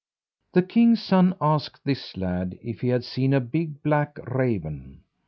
The king's son asked this lad if he had seen a big black raven.